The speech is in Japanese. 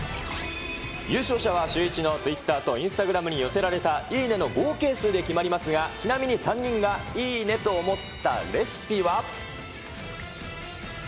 優勝者はシューイチのツイッターとインスタグラムに寄せられたいいねの合計数で決まりますが、ちなみに３人がいいねと思ったレシピは。